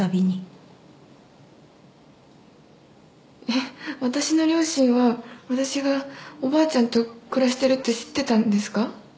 えっ私の両親は私がおばあちゃんと暮らしてるって知ってたんですか？